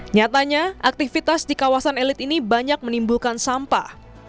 nyatanya aktivitas di kawasan elit ini banyak menimbulkan sampah